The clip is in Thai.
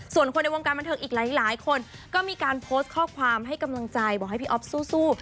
ส่วนคนในวงการบันเทิงอีกหลายคนก็มีการโพสต์ข้อความให้กำลังใจบอกให้พี่อ๊อฟสู้